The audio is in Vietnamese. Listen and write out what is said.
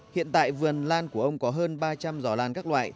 hiện tại vườn lan của ông có hơn ba trăm linh giỏ lan các loại